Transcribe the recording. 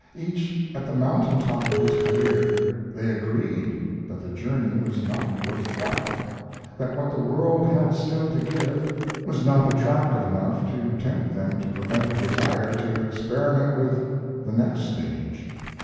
Each at the mountain top of his career, they agreed that the journey was not worth while that what the world had still to give was not attractive enough to tempt them to prevent a desire to experiment with the next stage.